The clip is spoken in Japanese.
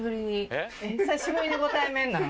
久しぶりのご対面なの？